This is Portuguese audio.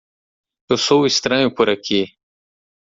Eu sou o estranho por aqui.